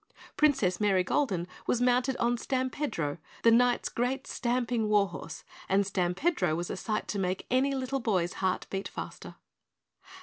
Princess Marygolden was mounted on Stampedro, the Knight's great stamping war horse, and Stampedro was a sight to make any little boy's heart beat faster.